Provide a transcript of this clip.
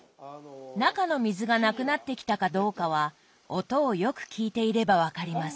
中の水がなくなってきたかどうかは音をよく聴いていれば分かります。